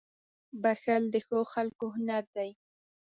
• بښل د ښو خلکو هنر دی.